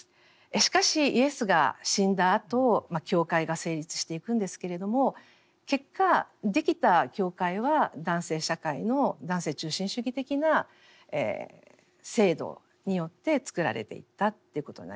しかしイエスが死んだあと教会が成立していくんですけれども結果できた教会は男性社会の男性中心主義的な制度によってつくられていったっていうことになります。